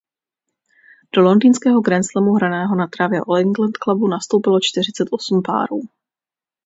Do londýnského grandslamu hraného na trávě All England Clubu nastoupilo čtyřicet osm párů.